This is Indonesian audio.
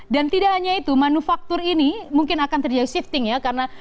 dan tidak hanya itu manufaktur ini mungkin akan terjadi shifting ya